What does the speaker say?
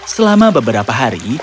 selama beberapa hari